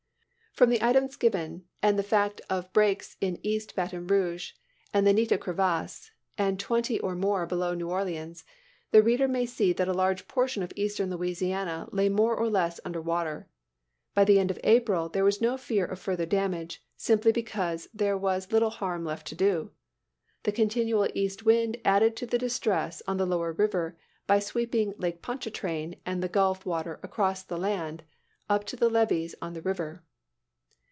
From the items given, and the fact of breaks in east Baton Rouge, and the Nita crevasse, and twenty or more below New Orleans, the reader may see that a large portion of eastern Louisiana lay more or less under water. By the end of April there was no fear of further danger, simply because there was little harm left to do. The continual east wind added to the distress on the lower river by sweeping Lake Pontchartrain and the gulf water across the land, up to the levees on the river.